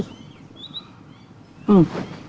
อืม